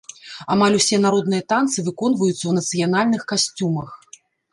Амаль усе народныя танцы выконваюцца ў нацыянальных касцюмах.